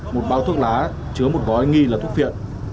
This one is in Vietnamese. một báo thuốc lá chứa một vói nghi là thuốc phiện